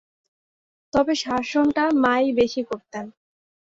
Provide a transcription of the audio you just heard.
তবে শাসনটা মা ই বেশি করতেন।